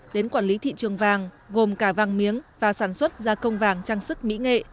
đến quản lý thị trường vàng gồm cả vàng miếng và sản xuất gia công vàng trang sức mỹ nghệ